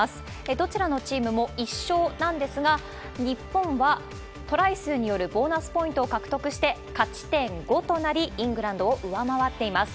どちらのチームも１勝なんですが、日本はトライ数によるボーナスポイントを獲得して勝ち点５となり、イングランドを上回っています。